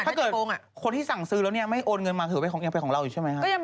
คนที่สั่งซื้อแล้วเนี่ยไม่โอนเงินมาคือยังเป็นของเราอีกใช่ไหมครับ